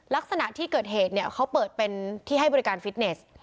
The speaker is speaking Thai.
ลักษณะที่เกิดเหตุเนี่ยเขาเปิดเป็นที่ให้บริการฟิตเนส